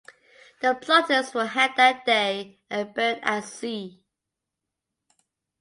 The plotters were hanged that day and buried at sea.